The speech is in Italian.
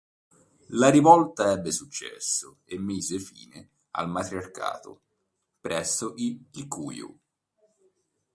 La rivolta ebbe successo e mise fine al matriarcato presso i Kikuyu.